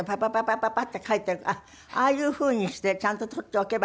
パパパッて書いているからああいうふうにしてちゃんと取っておけば。